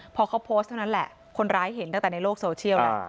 พอเขาโพสต์เท่านั้นแหละคนร้ายเห็นตั้งแต่ในโลกโซเชียลแล้ว